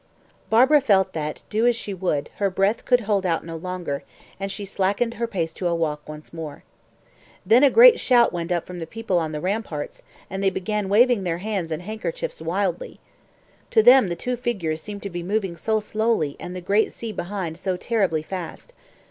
Barbara felt that, do as she would, her breath could hold out no longer, and she slackened her pace to a walk once more. Then a great shout went up from the people on the ramparts, and they began waving their hands and handkerchiefs wildly. To them the two figures seemed to be moving so slowly and the great sea behind so terribly fast.